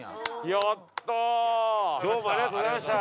やったー！